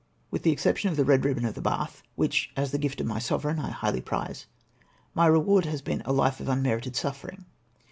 With the exception of the Eed Eibbon of the Bath, which as the gift of my sovereign I highly prize, my reward has been a life of unmerited suffering.